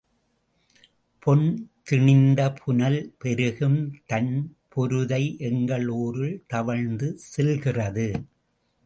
பொன் திணிந்த புனல் பெருகும் தண் பொருதை எங்கள் ஊரில் தவழ்ந்து செல்கிறது.